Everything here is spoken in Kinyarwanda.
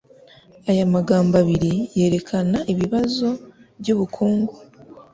Aya magambo abiri yerekana ibibazo byubukungu